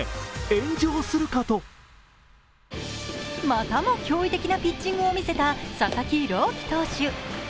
またも驚異的なピッチングを見せた佐々木朗希投手。